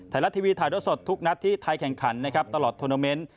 ไทยรัดทีวีถ่ายรถสดทุกนัดที่ไทยแข่งขันตลอดโทรเมนต์